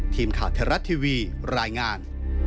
ทีมขาวเทราะห์ทีวีรายงาน